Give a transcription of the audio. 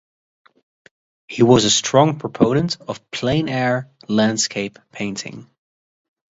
He was a strong proponent of plein-air landscape painting.